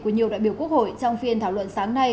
của nhiều đại biểu quốc hội trong phiên thảo luận sáng nay